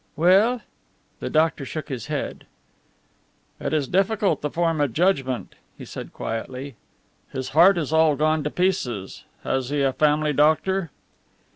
"Well?" The doctor shook his head. "It is difficult to form a judgment," he said quietly, "his heart is all gone to pieces. Has he a family doctor?"